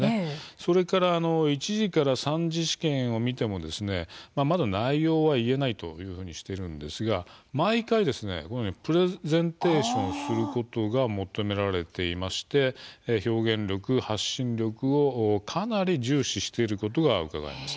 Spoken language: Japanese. それから、１次から３次試験を見てもまだ内容は言えないというふうにしているんですが毎回、このようにプレゼンテーションすることが求められていまして表現力、発信力をかなり重視していることがうかがえます。